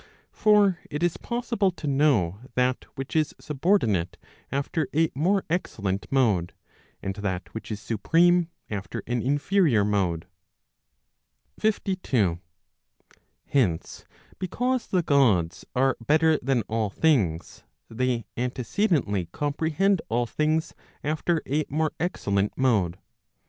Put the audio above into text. For it is possible to know that which is subordinate after a more excellent mode, and that which is supreme after, an inferior mode. 52. Hence, because the Gods are better than all things, they antece* dently comprehend all things after a more excellent mode.